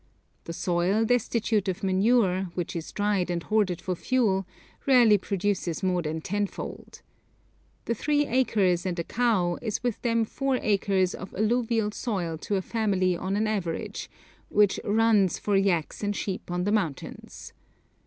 The soil, destitute of manure, which is dried and hoarded for fuel, rarely produces more than tenfold. The 'three acres and a cow' is with them four acres of alluvial soil to a family on an average, with 'runs' for yaks and sheep on the mountains.